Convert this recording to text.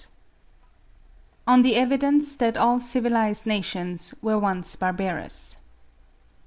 ON THE EVIDENCE THAT ALL CIVILISED NATIONS WERE ONCE BARBAROUS.